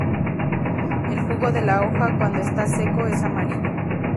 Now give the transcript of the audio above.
El jugo de la hoja cuando está seco es amarillo.